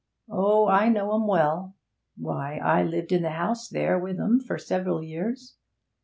Oh, I know 'em well! why, I lived in the house there with 'em for several years.